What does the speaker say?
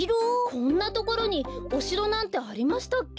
こんなところにおしろなんてありましたっけ？